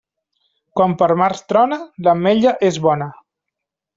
Quan per març trona, l'ametlla és bona.